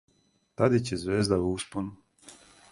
Тадић је звезда у успону.